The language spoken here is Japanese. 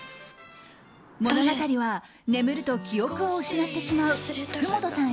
物語は眠ると記憶を失ってしまう福本さん